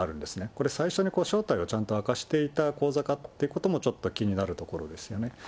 これ、最初に正体を明かしていた講座かってことも、ちょっと気になるところですよね。